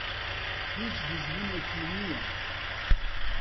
هیچ دوژمنێکی نییە.